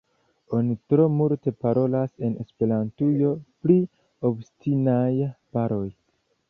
Oni tro multe parolas en Esperantujo pri “obstinaj baroj”.